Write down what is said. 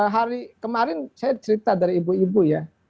hari kemarin saya cerita dari ibu ibu ya